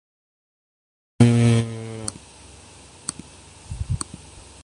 آجکل لالہ کے بجائے ملالہ ملالہ ہوئی پھری ہے ۔